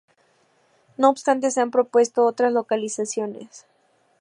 No obstante, se han propuesto otras localizaciones.